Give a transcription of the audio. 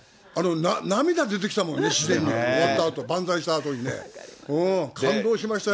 あのね、日本国中がね、涙出てきたもん、自然に、終わったあと、万歳したあとにね、感動しましたよ。